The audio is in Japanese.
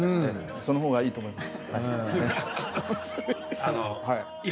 そのほうがいいと思います。